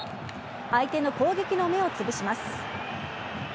相手の攻撃の芽をつぶします。